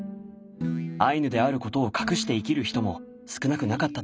アイヌであることを隠して生きる人も少なくなかったといいます。